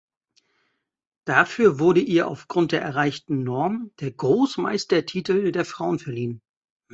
Dafür wurde ihr aufgrund der erreichten Norm der Großmeistertitel der Frauen verliehen.